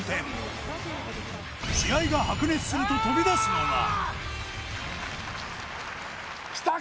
試合が白熱すると飛び出すのが。